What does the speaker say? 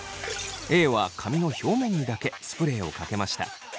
Ａは髪の表面にだけスプレーをかけました。